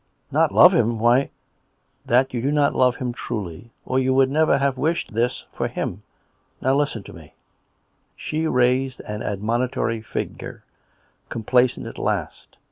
Not love him ! Why "" That you do not love him truly; or you would nerer have wished this for him. ... Now listen to me !" She raised an admonitory finger, complacent at last. COME RACK! COME ROPE!